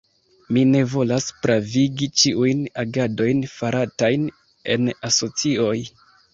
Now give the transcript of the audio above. Mi ne volas pravigi ĉiujn agadojn faratajn en asocioj.